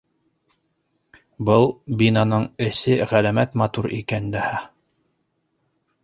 Был бинаның эсе ғәләмәт матур икән дәһә.